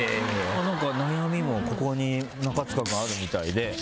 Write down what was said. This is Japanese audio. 悩みも、ここに中務君あるみたいで。